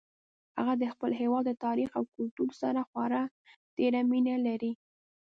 هغه د خپل هیواد د تاریخ او کلتور سره خورا ډیره مینه لري